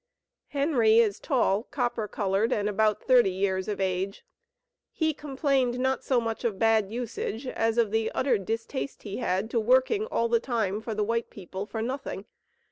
Henry is tall, copper colored, and about thirty years of age. He complained not so much of bad usage as of the utter distaste he had to working all the time for the "white people for nothing."